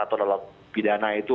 atau dalam pidana itu